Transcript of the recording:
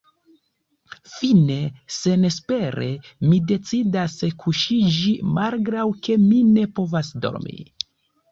Fine, senespere, mi decidas kuŝiĝi, malgraŭ ke mi ne povas dormi.